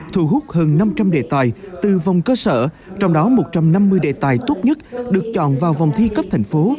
thu hút hơn năm trăm linh đề tài từ vòng cơ sở trong đó một trăm năm mươi đề tài tốt nhất được chọn vào vòng thi cấp thành phố